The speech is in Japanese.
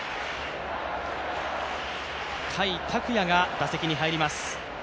甲斐拓也が打席に入ります。